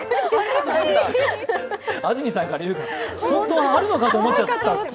安住さんが言うから、本当にあるのかと思った。